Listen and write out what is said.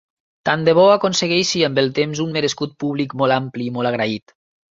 Tant de bo aconsegueixi amb el temps un merescut públic molt ampli i molt agraït.